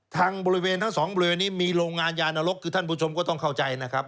ทางบริเวณทั้งสองบริเวณนี้มีโรงงานยานรกคือท่านผู้ชมก็ต้องเข้าใจนะครับ